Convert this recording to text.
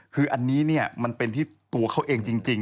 คืออันนี้เนี่ยมันเป็นที่ตัวเขาเองจริง